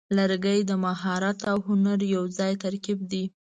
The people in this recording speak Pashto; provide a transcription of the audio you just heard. لرګی د مهارت او هنر یوځای ترکیب دی.